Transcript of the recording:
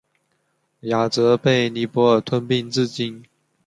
亚泽被尼泊尔吞并至今。